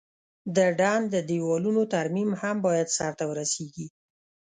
د ډنډ د دیوالونو ترمیم هم باید سرته ورسیږي.